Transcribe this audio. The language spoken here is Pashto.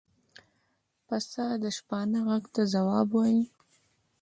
پسه د شپانه غږ ته ځواب وايي.